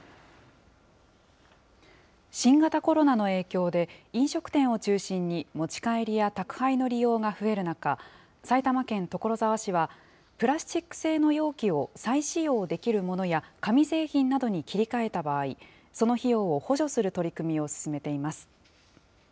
新型コロナの影響で、飲食店を中心に持ち帰りや宅配の利用が増える中、埼玉県所沢市は、プラスチック製の容器を再使用できるものや紙製品などに切り替えた場合、その費用を補助する取り組みを進めています。